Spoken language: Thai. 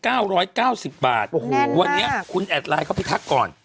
โอ้โหแน่นมากวันนี้คุณแอดไลน์เข้าไปทักก่อน